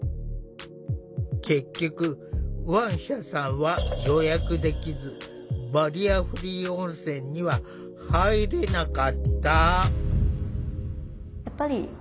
結局ワンシャさんは予約できずバリアフリー温泉には入れなかった。